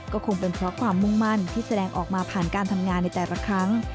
ก็คงเป็นเพราะความมุ่งมั่นที่แสดงออกมาผ่านการทำงานในแต่ละครั้ง